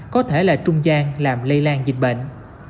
có thể là trung gian làm lây lan dịch bệnh